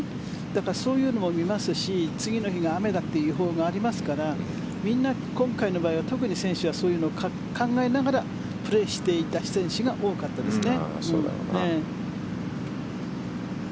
そういうのも見ますし次の日が雨だという予報がありますからみんな今回の場合は特に選手はそういうのを考えながらプレーしていた選手が多かったですね。